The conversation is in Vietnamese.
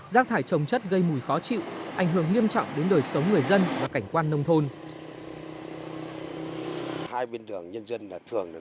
rác thải trồng chất gây mùi khó chịu ảnh hưởng nghiêm trọng đến đời sống người dân và cảnh quan nông thôn